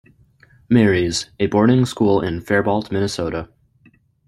Mary's, a boarding school in Faribault, Minnesota.